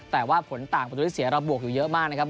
แต่ว่าผลต่างประตูที่เสียเราบวกอยู่เยอะมากนะครับ